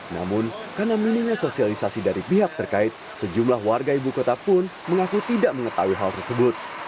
namun karena minimnya sosialisasi dari pihak terkait sejumlah warga ibu kota pun mengaku tidak mengetahui hal tersebut